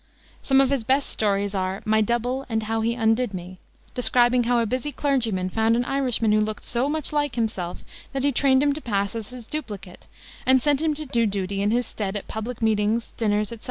Some of his best stories are My Double and How He Undid Me, describing how a busy clergyman found an Irishman who looked so much like himself that he trained him to pass as his duplicate, and sent him to do duty in his stead at public meetings, dinners, etc.